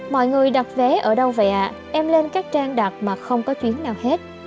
mọi người đặt vé ở đâu vậy ạ em lên các trang đặt mà không có chuyến nào hết